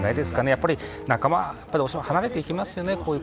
やっぱり仲間はどうしても離れていきますよね。